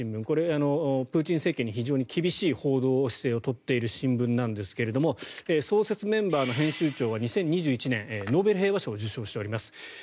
これ、プーチン政権に非常に厳しい姿勢を取っている新聞なんですが創設メンバーの編集長は２０２１年ノーベル平和賞を受賞しております。